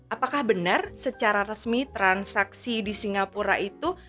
apakah benar secara resmi transaksi di singapura itu